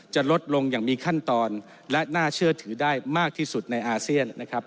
จะลดลงอย่างมีขั้นตอนและน่าเชื่อถือได้มากที่สุดในอาเซียนนะครับ